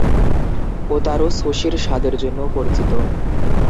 ওতারু সুশির স্বাদের জন্যও পরিচিত।